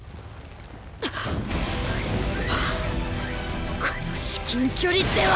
はぁはぁこの至近距離では！